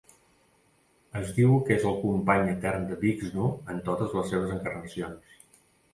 Es diu que és el company etern de Vixnu en totes les seves encarnacions.